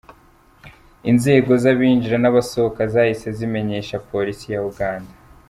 Inzego z’abinjira n’abasohoka zahise zimenyesha Polisi ya Uganda.